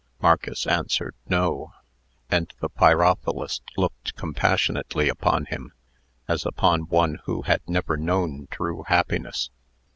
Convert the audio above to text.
Marcus answered "No;" and the pyrophilist looked compassionately upon him, as upon one who had never known true happiness.